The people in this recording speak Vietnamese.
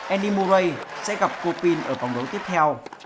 andy murray sẽ gặp copin ở vòng đấu tiếp theo